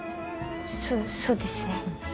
そうそうですね。